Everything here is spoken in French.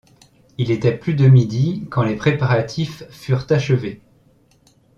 Il était plus de midi quand les préparatifs furent achevés.